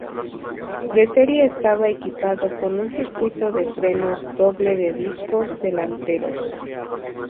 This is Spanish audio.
De serie estaba equipado con un circuito de frenos doble de discos delanteros.